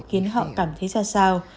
khiến họ cảm thấy ra sao